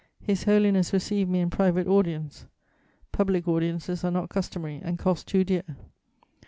His Holiness received me in private audience; public audiences are not customary and cost too dear.